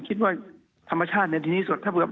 คิดว่าธรรมชาติในดีนี้สุด